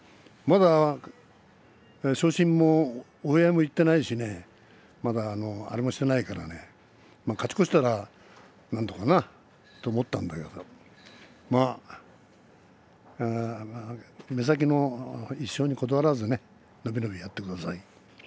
まだ昇進もお祝いも言っていないしあれもしていないから勝ち越したらなんとかなと思ったんだけど目先の１勝にこだわらず伸び伸びやってください。